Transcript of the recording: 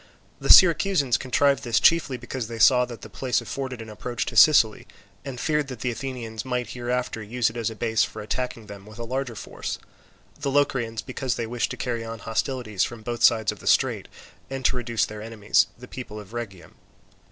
The Syracusans contrived this chiefly because they saw that the place afforded an approach to Sicily, and feared that the Athenians might hereafter use it as a base for attacking them with a larger force; the Locrians because they wished to carry on hostilities from both sides of the strait and to reduce their enemies, the people of Rhegium.